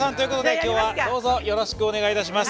きょうはどうぞよろしくお願いいたします。